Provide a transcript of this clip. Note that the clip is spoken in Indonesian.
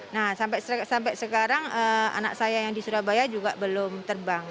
nah sampai sekarang anak saya yang di surabaya juga belum terbang